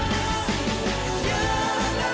biar cepet kering air mata lu